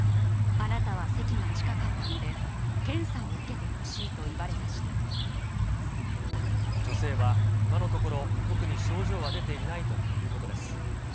あなたは席が近かったので、検査を受けてほしいと言われまし女性は今のところ、特に症状は出ていないということです。